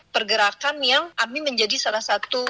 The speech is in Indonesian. pergerakan yang kami menjadi salah satu